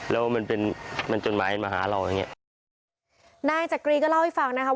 แล้วมันเป็นมันจดหมายมาหาเราอย่างเงี้ยนายจักรีก็เล่าให้ฟังนะคะ